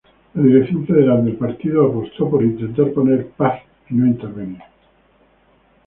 La dirección federal del partido apostó por intentar poner paz y no intervenir.